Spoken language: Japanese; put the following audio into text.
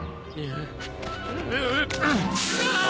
ああ。